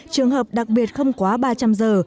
trường hợp đặc biệt không quá ba trăm linh giờ